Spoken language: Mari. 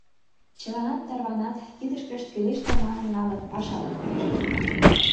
Чыланат тарванат, кидышкышт кӱлеш тарманым налын, пашалан пижыт.